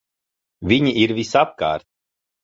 Viņi ir visapkārt!